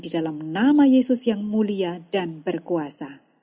di dalam nama yesus yang mulia dan berkuasa